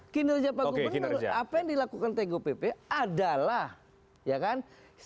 kinerja pak gubernur apa yang dilakukan tgupp adalah ya kan